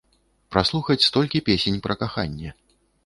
Праслухаць столькі песень пра каханне.